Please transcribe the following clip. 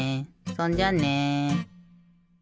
そんじゃあね。